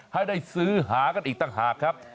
ให้ได้ซื้อหากันอีกต่างหากครับ